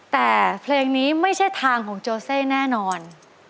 แต่เพลงนี้ไม่ใช่ทางของโจเซ่แน่นอน